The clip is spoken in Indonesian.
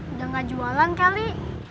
udah gak jualan kali